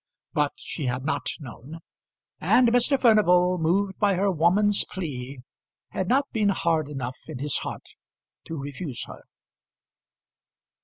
But she had not known; and Mr. Furnival, moved by her woman's plea, had not been hard enough in his heart to refuse her.